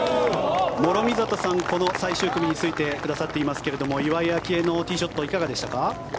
諸見里さん、この最終組についてくださっていますが岩井明愛のティーショットいかがでしたか。